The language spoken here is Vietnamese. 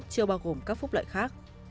chưa bao gồm các phúc lợi khác